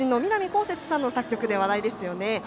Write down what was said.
こうせつさんの作曲で話題ですよね。